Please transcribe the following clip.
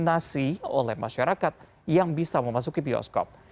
vaksinasi oleh masyarakat yang bisa memasuki bioskop